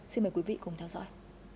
xin mời quý vị cùng theo dõi